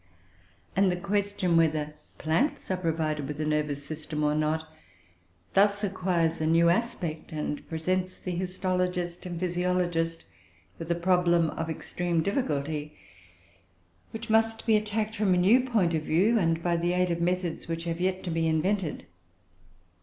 And the question whether plants are provided with a nervous system or not, thus acquires a new aspect, and presents the histologist and physiologist with a problem of extreme difficulty, which must be attacked from a new point of view and by the aid of methods which have yet to be invented.